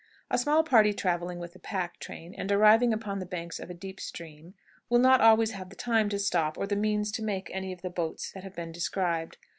A small party traveling with a pack train and arriving upon the banks of a deep stream will not always have the time to stop or the means to make any of the boats that have been described.